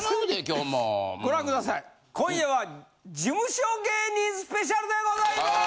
今夜は事務所芸人スペシャルでございます！